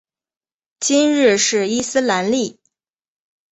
今日是伊斯兰历。